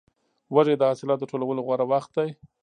وږی د حاصلاتو د ټولولو غوره وخت دی.